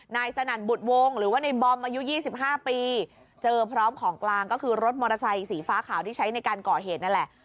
สนั่นบุตรวงหรือว่าในบอมอายุ๒๕ปีเจอพร้อมของกลางก็คือรถมอเตอร์ไซค์สีฟ้าขาวที่ใช้ในการก่อเหตุนั่นแหละ